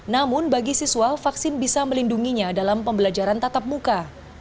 namun bagi siswa vaksin bisa melindunginya dalam pembelajaran tatap muka